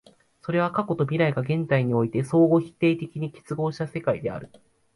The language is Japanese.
それは過去と未来が現在において相互否定的に結合した世界である。